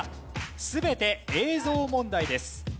全て映像問題です。